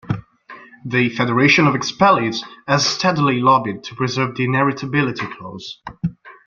The Federation of Expellees has steadily lobbied to preserve the inheritability clause.